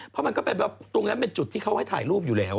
เพราะมันก็เป็นแบบตรงนั้นเป็นจุดที่เขาให้ถ่ายรูปอยู่แล้ว